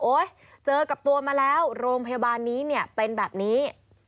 โอ๊ยเจอกับตัวมาแล้วโรงพยาบาลนี้เป็นแบบนี้